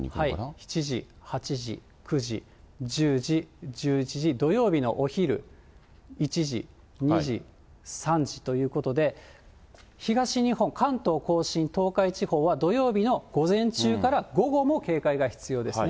７時、８時、９時、１０時、１１時、土曜日のお昼、１時、２時、３時ということで、東日本、関東甲信、東海地方は土曜日の午前中から午後も警戒が必要ですね。